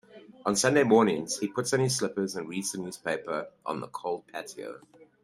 On Sunday mornings, he puts on his slippers and reads the newspaper on the cold patio.